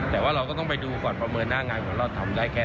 แต่ว่าเราก็ต้องไปดูก่อนประเมินหน้างานของเราทำได้แค่